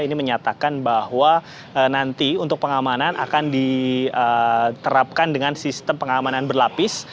ini menyatakan bahwa nanti untuk pengamanan akan diterapkan dengan sistem pengamanan berlapis